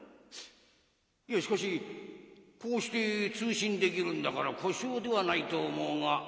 いやしかしこうして通信できるんだから故障ではないと思うが。